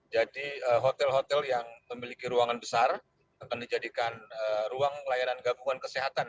jadi hotel hotel yang memiliki ruangan besar akan dijadikan ruang layanan gabungan kesehatan